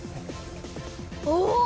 お！